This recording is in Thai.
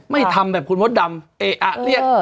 ทำแบบคุณมดดำเอ๊ะเรียก